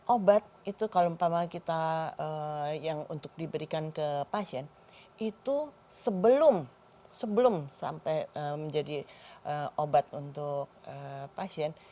obat itu kalau umpama kita yang untuk diberikan ke pasien itu sebelum sampai menjadi obat untuk pasien